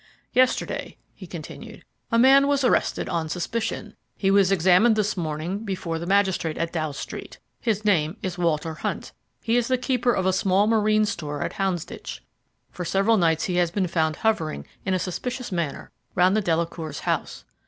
"Yesterday," he continued, "a man was arrested on suspicion. He was examined this morning before the magistrate at Bow Street. His name is Walter Hunt he is the keeper of a small marine store at Houndsditch. For several nights he has been found hovering in a suspicious manner round the Delacours' house.